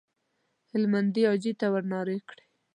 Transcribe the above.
هلمندي حاجي ته ورنارې کړې.